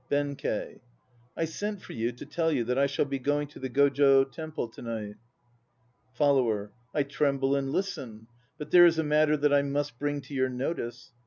BENKEI. I sent for you to tell you that I shall be going to the Gojo Temple to night. FOLLOWER. I tremble and listen. But there is a matter that I must bring to your notice.